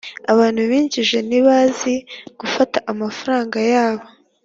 abantu b'injiji ntibazi gufata amafaranga yabo.